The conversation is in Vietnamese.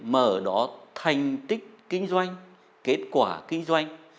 mà ở đó thành tích kinh doanh kết quả kinh doanh